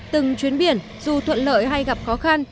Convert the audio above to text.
từng chuyến biển dù thuận lợi hay gặp khó khăn